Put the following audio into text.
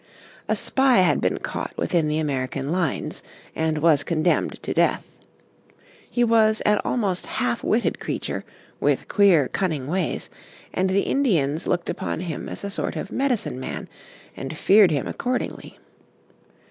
A spy had been caught within the American lines, and was condemned to death. He was an almost half witted creature, with queer cunning ways, and the Indians looked upon him as a sort of Medicine Man, and feared him accordingly.